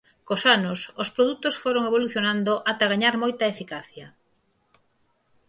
Cos anos, os produtos foron evolucionando ata gañar moita eficacia.